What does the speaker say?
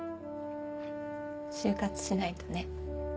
就活しないとね。